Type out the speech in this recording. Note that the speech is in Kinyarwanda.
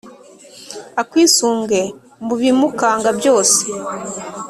akwisunge mu bimukanga byose